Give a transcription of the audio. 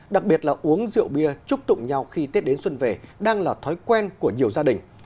đặc biệt là uống rượu bia chúc tụng nhau khi tết đến xuân về đang là thói quen của nhiều gia đình